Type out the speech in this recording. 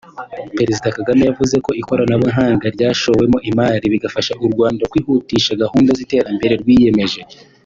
Perezida Kagame yavuze ko ikoranabuhanga ryashowemo imari bigafasha u Rwanda kwihutisha gahunda z’iterambere rwiyemeje